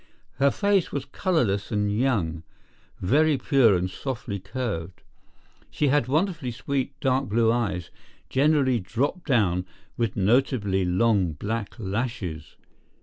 Her face was colourless and young, very pure and softly curved. She had wonderfully sweet, dark blue eyes, generally dropped down, with notably long black lashes.